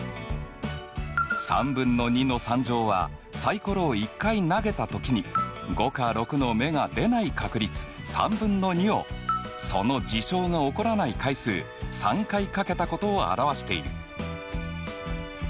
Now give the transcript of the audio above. ３分の２の３乗はサイコロを１回投げたときに５か６の目が出ない確率３分の２をその事象が起こらない回数３回掛けたことを表している。